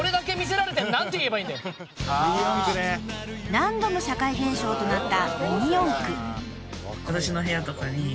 ［何度も社会現象となった］